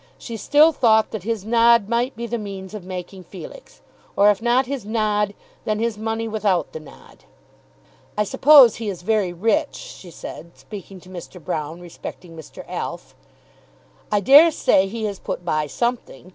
She still thought that his nod might be the means of making Felix, or if not his nod, then his money without the nod. "I suppose he is very rich," she said, speaking to Mr. Broune respecting Mr. Alf. "I dare say he has put by something.